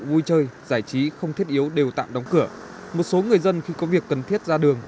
vui chơi giải trí không thiết yếu đều tạm đóng cửa một số người dân khi có việc cần thiết ra đường